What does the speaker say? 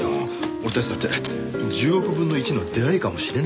俺たちだって１０億分の１の出会いかもしれない仲でしょ？